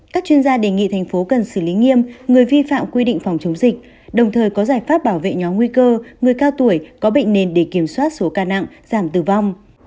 các chuyên gia đề nghị thành phố cần xử lý nghiêm người vi phạm quy định phòng chống dịch đồng thời có giải pháp bảo vệ nhóm nguy cơ người cao tuổi có bệnh nền để kiểm soát số ca nặng giảm tử vong